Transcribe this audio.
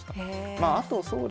まああとそうですね